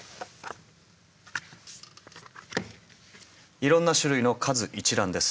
いろんな種類の数一覧です。